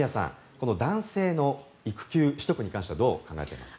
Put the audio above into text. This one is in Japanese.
この男性の育休取得に関してはどう考えていますか。